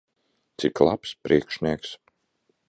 Cik labs priekšnieks!